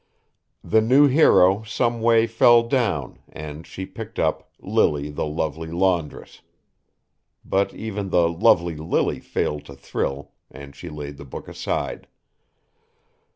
The new hero some way fell down and she picked up "Lily the Lovely Laundress." But even the "Lovely Lily" failed to thrill and she laid the book aside.